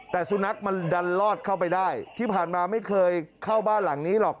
แต่สุนัขมันดันลอดเข้าไปได้ที่ผ่านมาไม่เคยเข้าบ้านหลังนี้หรอก